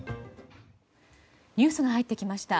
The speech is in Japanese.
ニュースが入ってきました。